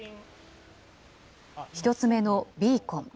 １つ目のビーコン。